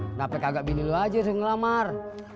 kenapa kagak bini lo aja sih ngelamar